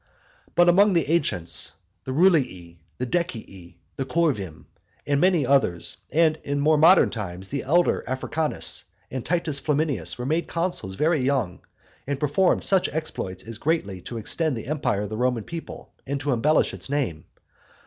But among the ancients, the Rulii, the Decii, the Corvim, and many others, and in more modern times the elder Africanus and Titus Flaminius were made consuls very young, and performed such exploits as greatly to extend the empire of the Roman people, and to embellish its name.